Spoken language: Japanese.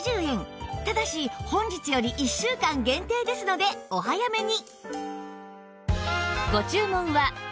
ただし本日より１週間限定ですのでお早めに！